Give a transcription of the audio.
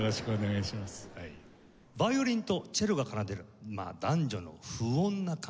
ヴァイオリンとチェロが奏でる男女の不穏な関係。